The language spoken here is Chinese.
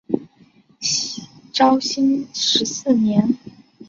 绍兴十四年。